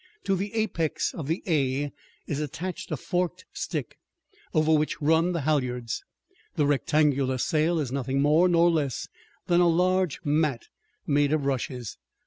To the apex of the "A" is attached a forked stick, over which run the halyards. The rectangular "sail" is nothing more nor less than a large mat made of rushes.